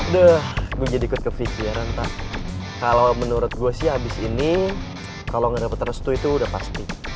duh gue jadi ikut ke vcr entah kalau menurut gue sih abis ini kalo gak dapet restu itu udah pasti